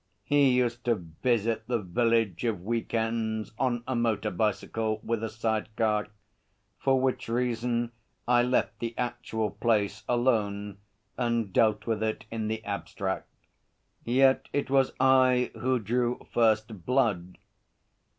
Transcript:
He used to visit the village of week ends, on a motor bicycle with a side car; for which reason I left the actual place alone and dealt with it in the abstract. Yet it was I who drew first blood.